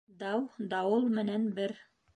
Дау дауыл менән бер.